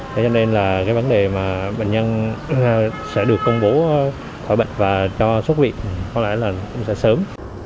thế cho nên là cái vấn đề mà bệnh nhân sẽ được công bố khỏi bệnh và cho xuất viện có lẽ là sẽ sớm